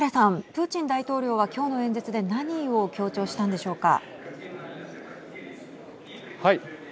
プーチン大統領はきょうの演説で何を強調したんでしょうか。